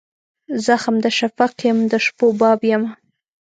زخم د شفق یم د شپو باب یمه